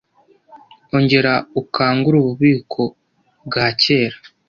ongera ukangure ububiko bwa kera